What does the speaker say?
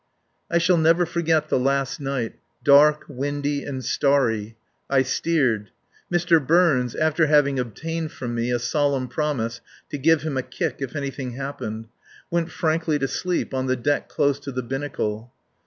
... I shall never forget the last night, dark, windy, and starry. I steered. Mr. Burns, after having obtained from me a solemn promise to give him a kick if anything happened, went frankly to sleep on the deck close to the binnacle.